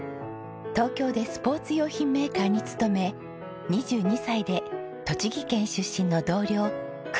東京でスポーツ用品メーカーに勤め２２歳で栃木県出身の同僚久美子さんと結婚。